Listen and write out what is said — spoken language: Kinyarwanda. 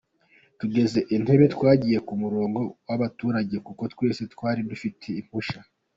Tugeze Entebbe, twagiye ku murongo w’abaturage kuko twese twari dufite impushya”